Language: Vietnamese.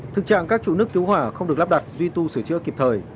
thực trạng các trụ nước cứu hỏa không được lắp đặt duy tu sửa chữa kịp thời